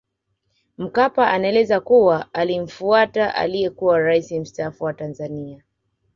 Mkapa anaeleza kuwa alimfuata aliyekuwa rais mstaafu wa Tanzania